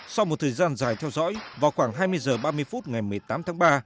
sau một thời gian dài theo dõi vào khoảng hai mươi h ba mươi phút ngày một mươi tám tháng ba